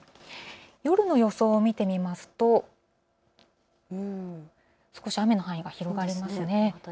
夜の予想を見てみますと、少し雨の範囲が広がりますね。